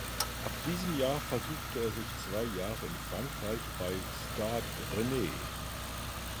Ab diesem Jahr versuchte er sich zwei Jahre in Frankreich bei Stade Rennes.